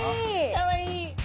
かわいい。